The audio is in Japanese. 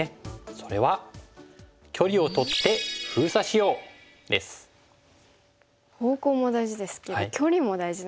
それは方向も大事ですけど距離も大事なんですね。